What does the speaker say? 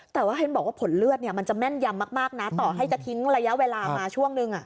แต่ว่าเห็นบอกว่าผลเลือดมันจะแม่นยำมากนะต่อให้จะทิ้งระยะเวลามาช่วงนึง